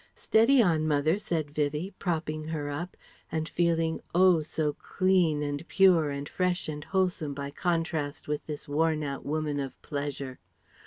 "Steady on, mother," said Vivie, propping her up, and feeling oh! so clean and pure and fresh and wholesome by contrast with this worn out woman of pleasure.